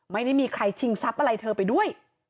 ไม่ได้มีใครชิงทรัพย์อะไรเธอไปด้วย